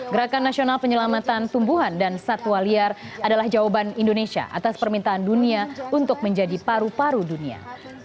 gerakan nasional penyelamatan tumbuhan dan satwa liar adalah jawaban indonesia atas permintaan dunia untuk menjadi paru paru dunia